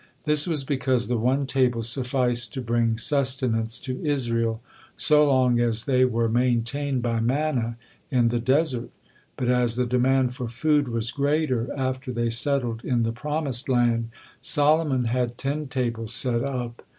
This was because the one table sufficed to bring sustenance to Israel so long as they were maintained by manna in the desert; but as the demand for food was greater after they settled in the promised land, Solomon had ten tables set up.